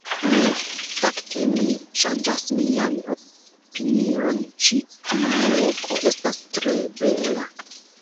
Nu, fakte mi ŝanĝas mian opinion ĉi tiu loko estas tre bela